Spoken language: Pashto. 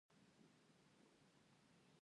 بې ترتیبي بد دی.